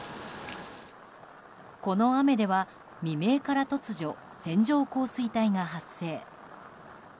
この雨では未明から突如線状降水帯が発生。